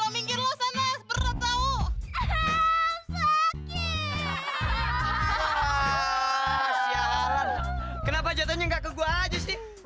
siapa kenapa jatuhnya nggak ke gue aja sih